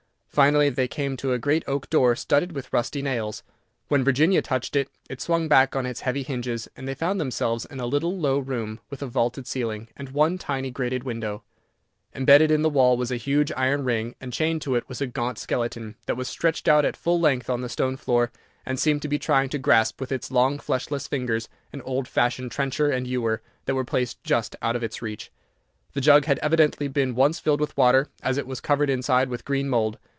Finally, they came to a great oak door, studded with rusty nails. When Virginia touched it, it swung back on its heavy hinges, and they found themselves in a little low room, with a vaulted ceiling, and one tiny grated window. Imbedded in the wall was a huge iron ring, and chained to it was a gaunt skeleton, that was stretched out at full length on the stone floor, and seemed to be trying to grasp with its long fleshless fingers an old fashioned trencher and ewer, that were placed just out of its reach. The jug had evidently been once filled with water, as it was covered inside with green mould.